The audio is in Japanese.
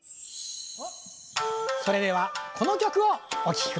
それではこの曲をお聴き下さい。